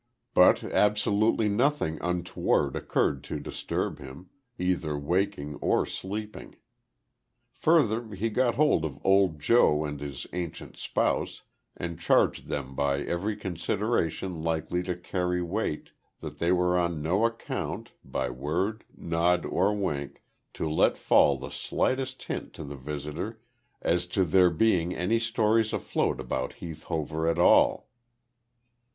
But absolutely nothing untoward occurred to disturb him, either waking or sleeping. Further, he got hold of old Joe and his ancient spouse, and charged them by every consideration likely to carry weight, that they were on no account by word, nod or wink to let fall the slightest hint to the visitor as to there being any stories afloat about Heath Hover at all.